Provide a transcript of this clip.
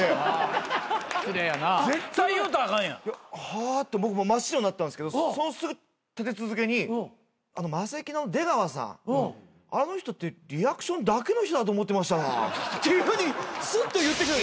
はぁって僕も真っ白になったんですけどそのすぐ立て続けに「マセキの出川さん」「あの人ってリアクションだけの人だと思ってましたわ」っていうふうにスッて言ってきた。